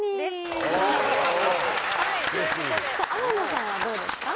天野さんはどうですか？